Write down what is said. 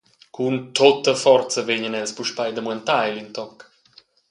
Cun tutta forza vegnan els puspei da muentar el in toc.